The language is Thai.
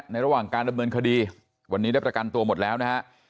ระหว่างการดำเนินคดีวันนี้ได้ประกันตัวหมดแล้วนะฮะ